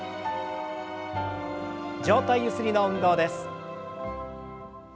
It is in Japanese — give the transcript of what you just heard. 上体ゆすりの運動です。